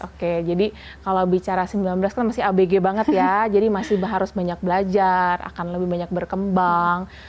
oke jadi kalau bicara sembilan belas kan masih abg banget ya jadi masih harus banyak belajar akan lebih banyak berkembang